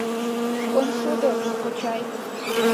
— Коншудо, кочай...